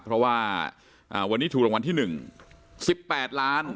เพราะว่าวันนี้ถูกรางวัลที่๑๑๘ล้าน